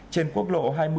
trên quốc lộ hai mươi